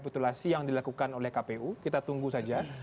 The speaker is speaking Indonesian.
proses rekapitulasi yang dilakukan oleh kpu kita tunggu saja